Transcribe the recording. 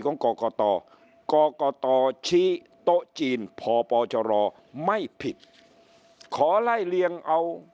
ของกกตกกตชตจีนพปจรไม่ผิดขอไล่เรียงเอา